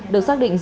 được xác định dịch